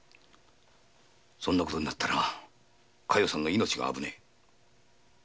そんなことになったら加代さんの命が危ねえ。